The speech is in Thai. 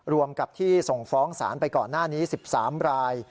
รวมกับที่ส่งฟ้องศาลไปก่อนหน้านี้๑๓ราย